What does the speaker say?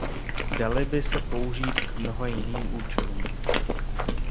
Daly by se použít k mnoha jiným účelům.